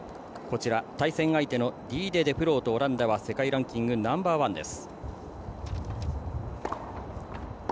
対戦相手のディーデ・デフロートオランダは世界ランキングナンバーワンです。